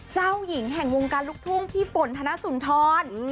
เจ้าหญิงแห่งวงการลูกทุ่งพี่ฝนธนสุนทร